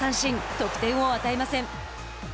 得点を与えません。